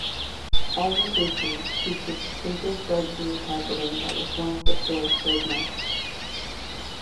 All locations featured distinctive bright green carpeting that was one of the stores trademarks.